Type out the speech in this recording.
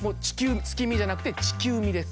「月見」じゃなくて「地球見」です。